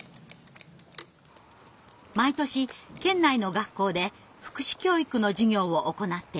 毎年県内の学校で福祉教育の授業を行っています。